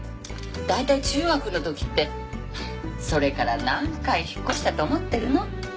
大体中学の時ってそれから何回引っ越したと思ってるの？